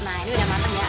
nah ini udah mantep ya